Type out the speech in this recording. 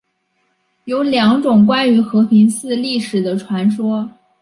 有两种关于和平寺历史的传说。